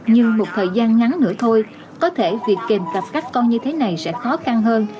nhưng một thời gian ngắn nữa thôi có thể việc kèm tập các con như thế này sẽ khó khăn hơn